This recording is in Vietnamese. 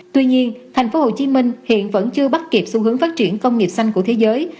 tuy nhiên thành phố hồ chí minh hiện vẫn chưa bắt kịp xu hướng phát triển công nghiệp xanh của thế giới